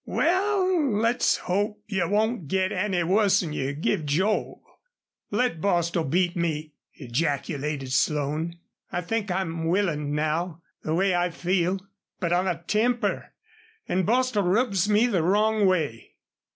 "Wal, let's hope you won't git any wuss'n you give Joel." "Let Bostil beat me!" ejaculated Slone. "I think I'm willin now the way I feel. But I've a temper, and Bostil rubs me the wrong way."